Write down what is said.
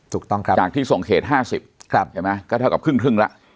ถูกต้องครับจากที่ส่งเขตห้าสิบครับเห็นไหมก็เท่ากับครึ่งครึ่งละ